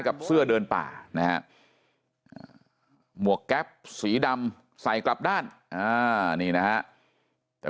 กับเสื้อเดินป่านะฮะหมวกแก๊ปสีดำใส่กลับด้านนี่นะฮะแต่